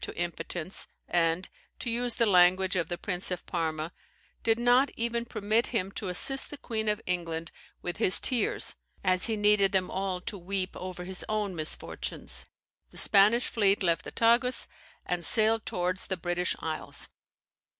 to impotence, and, to use the language of the Prince of Parma, did not even 'permit him to assist the Queen of England with his tears, as he needed them all to weep over his own misfortunes,' the Spanish fleet left the Tagus and sailed towards the British isles."